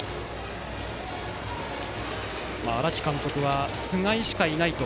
荒木監督は菅井しかいないと。